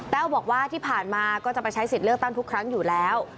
บอกว่าที่ผ่านมาก็จะไปใช้สิทธิ์เลือกตั้งทุกครั้งอยู่แล้ว